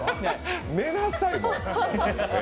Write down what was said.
寝なさい、もう。